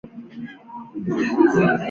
兴趣是照相摄影。